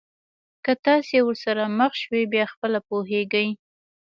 که تاسي ورسره مخ شوی بیا خپله پوهېږئ.